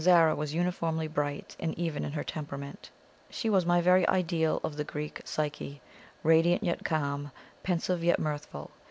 Zara was uniformly bright and even in her temperament. She was my very ideal of the Greek Psyche, radiant yet calm, pensive yet mirthful.